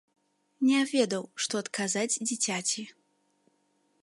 Не ведаў, што адказаць дзіцяці.